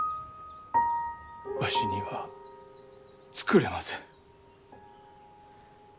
わしには作れません。